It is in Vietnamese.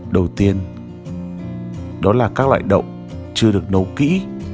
đầu tiên đó là các loại đậu chưa được nấu kỹ